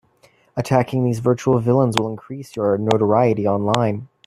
Attacking these virtual villains will increase your notoriety online.